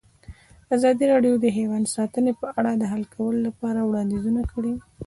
ازادي راډیو د حیوان ساتنه په اړه د حل کولو لپاره وړاندیزونه کړي.